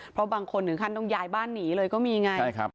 เพราะบางคนหนึ่งขั้นต้องยายบ้านหนีเลยก็มีไง